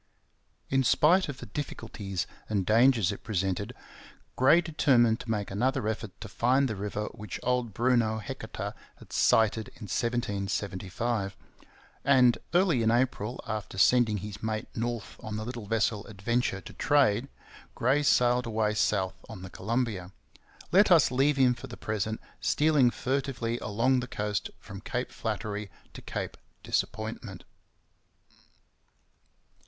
In spite of the difficulties and dangers it presented, Gray determined to make another effort to find the river which old Bruno Heceta had sighted in 1775. And early in April, after sending his mate north on the little vessel Adventure to trade, Gray sailed away south on the Columbia. Let us leave him for the present stealing furtively along the coast from Cape Flattery to Cape Disappointment.